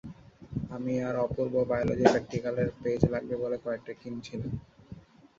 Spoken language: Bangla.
আমি আর অপুর্ব বায়োলজী প্র্যাক্টিক্যালের পেইজ লাগবে বলে কয়েকটা কিনছিলাম।